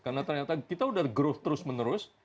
karena ternyata kita sudah growth terus menerus